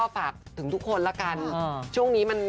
พวกอุ้มอารมณ์นิดนึง